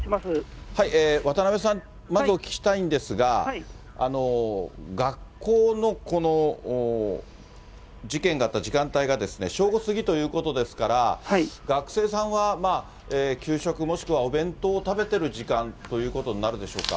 わたなべさん、まずお聞きしたいんですが、学校の事件があった時間帯が正午過ぎということですから、学生さんは、給食、もしくはお弁当を食べてる時間ということになるでしょうか。